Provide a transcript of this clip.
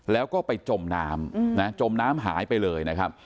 แล้วก็ไปจมน้ำจมน้ำหายไปเลยนะครับ